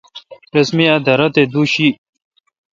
رس می اک دارہ تے دوُشی